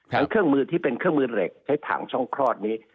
เครื่องมือที่เป็นเครื่องมือเหล็กใช้ถังช่องคลอดนี้